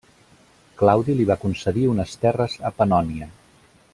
Claudi li va concedir unes terres a Pannònia.